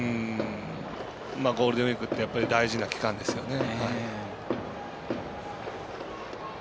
ゴールデンウイークってやっぱり大事な期間ですよね。